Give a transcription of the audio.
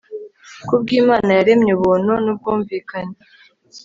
KubwImana yaremye ubuntu nubwumvikane